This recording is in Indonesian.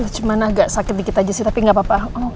cuman agak sakit dikit aja sih tapi gapapa